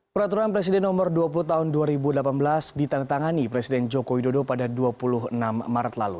peraturan presiden nomor dua puluh tahun dua ribu delapan belas ditandatangani presiden joko widodo pada dua puluh enam maret lalu